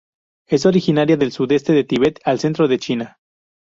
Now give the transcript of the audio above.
Es originaria del sudeste de Tibet al centro de China.